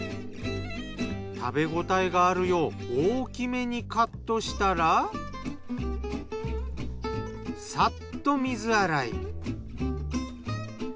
食べ応えがあるよう大きめにカットしたらサッと水洗い。